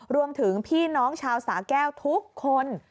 รวมถึงพี่น้องชาวสาแก้วทุกคน